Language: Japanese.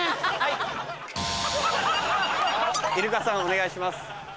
イルカさんお願いします。